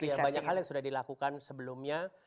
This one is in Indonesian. ya banyak hal yang sudah dilakukan sebelumnya